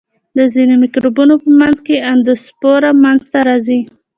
د ځینو مکروبونو په منځ کې اندوسپور منځته راځي.